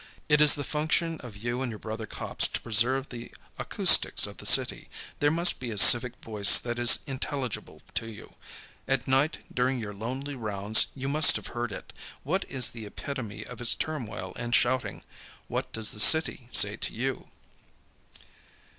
It is the function of you and your brother cops to preserve the acoustics of the city. There must be a civic voice that is intelligible to you. At night during your lonely rounds you must have heard it. What is the epitome of its turmoil and shouting? What does the city say to you?"